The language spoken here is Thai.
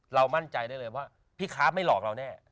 มั่นใจได้เลยว่าพี่ค้าไม่หลอกเราแน่